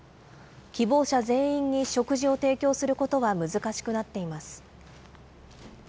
希望者全員に食事を提供することは難しくなっています。